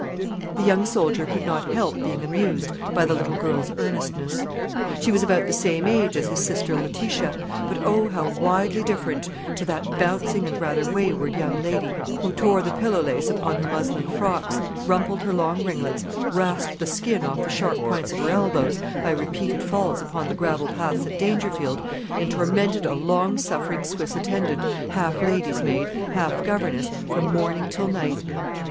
The young soldier could not help being amused by the little girl's earnestness. She was about the same age as his sister Letitia; but, oh, how widely different to that bouncing and rather wayward young lady, who tore the pillow lace upon her muslin frocks, rumpled her long ringlets, rasped the skin off the sharp points of her elbows, by repeated falls upon the gravel paths at Dangerfield, and tormented a long suffering Swiss attendant, half lady's maid, half governess, from morning till night.